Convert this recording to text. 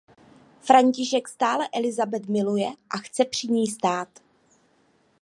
František stále Elisabeth miluje a chce při ní stát.